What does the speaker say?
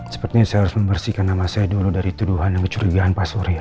sepertinya saya harus membersihkan nama saya dulu dari tuduhan kecurigaan pak surya